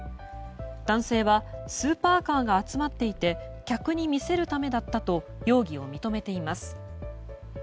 男性はスーパーカーが集まっていて客に見せるためだったと容疑を認めています。